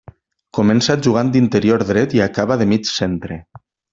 Començà jugant d'interior dret i acabà de mig centre.